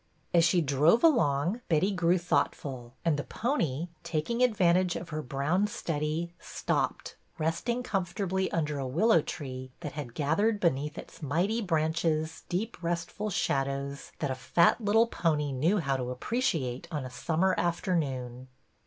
As she drove along Betty grew thoughtful, and the pony, taking advantage of her brown study, stopped, resting comfortably under a willow tree that had gathered beneath its mighty branches deep restful shadows that a fat little pony knew how to appreciate on a summer afternoon.